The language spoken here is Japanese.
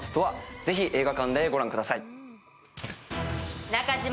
ぜひ映画館でご覧ください。